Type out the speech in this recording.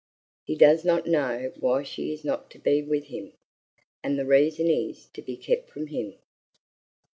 "He does not know why she is not to be with him, and the reason is to be kept from him."